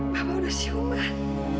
mama udah siung kan